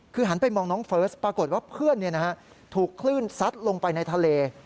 คือหันไปมองน้องเฟิร์สปรากฏว่าเพื่อนถูกคลื่นซัดลงไปในทะเล